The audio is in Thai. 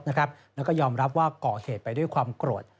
แล้วก็ยอมรับว่าก่อเหตุไปด้วยความโกรธ